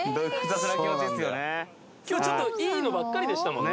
今日ちょっといいのばっかりでしたもんね。